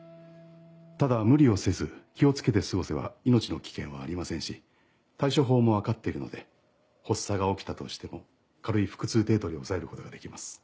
ただ無理をせず気を付けて過ごせば命の危険はありませんし対処法も分かっているので発作が起きたとしても軽い腹痛程度で抑えることができます。